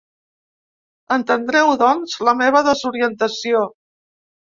Entendreu doncs la meva desorientació.